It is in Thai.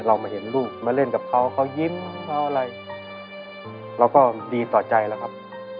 เรามาเห็นลูกมาเล่นกับเขาเขายิ้มเขาอะไรเราก็ดีต่อใจแล้วครับ